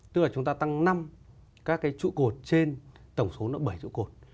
tức là chúng ta tăng năm các cái trụ cột trên tổng số nó bảy trụ cột